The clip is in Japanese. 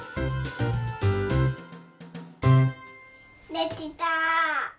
できた！